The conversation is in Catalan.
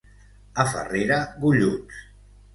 A Farrera, golluts.